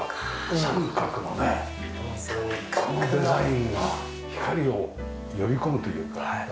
三角のねこのデザインが光を呼び込むというか。